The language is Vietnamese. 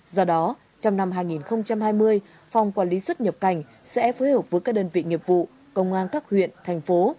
do đó trong năm hai nghìn hai mươi phòng quản lý xuất nhập cảnh sẽ phối hợp với các đơn vị nghiệp vụ công an các huyện thành phố